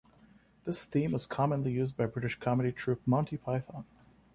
This theme was commonly used by British comedy troupe, Monty Python.